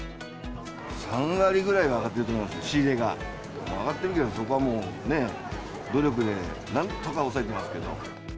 ３割ぐらいは上がっていると思います、仕入れが、上がってるけど、そこはもうね、努力でなんとか抑えてますけど。